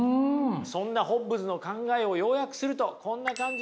そんなホッブズの考えを要約するとこんな感じになります。